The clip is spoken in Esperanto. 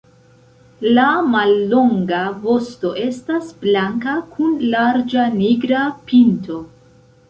La mallonga vosto estas blanka kun larĝa nigra pinto.